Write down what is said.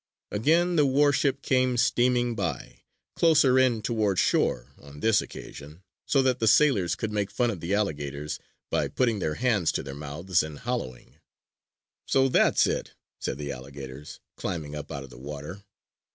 Again the warship came steaming by, closer in toward shore on this occasion, so that the sailors could make fun of the alligators by putting their hands to their mouths and holloing. "So that's it!" said the alligators, climbing up out of the water.